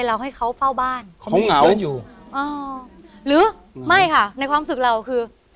เราให้เขาเฝ้าบ้านเขาเหงากันอยู่อ๋อหรือไม่ค่ะในความรู้สึกเราคือ